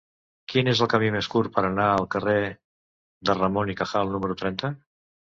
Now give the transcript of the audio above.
Quin és el camí més curt per anar al carrer de Ramón y Cajal número trenta?